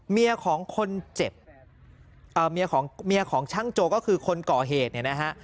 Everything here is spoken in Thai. เมียของคนเจ็บเมียของเมียของช่างโจก็คือคนก่อเหตุเนี่ยนะฮะ